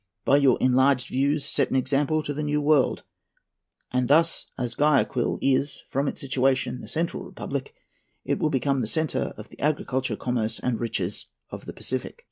By your enlarged views set an example to the New World; and thus, as Guayaquil is, from its situation, the central republic, it will become the centre of the agriculture, commerce, and riches of the Pacific."